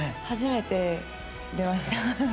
初めて出ました。